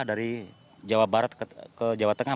dari jawa barat ke jawa tengah